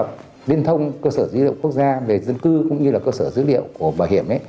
với việc tích hợp liên thông cơ sở dữ liệu quốc gia về dân cư cũng như là cơ sở dữ liệu của bảo hiểm